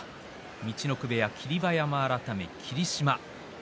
陸奥部屋、霧馬山改め霧島